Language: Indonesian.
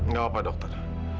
gak apa apa dokter